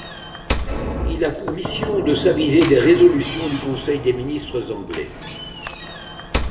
Il a pour mission de s’aviser des résolutions du conseil des ministres anglais.